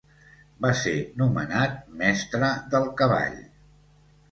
Va ser nomenat Mestre del Cavall.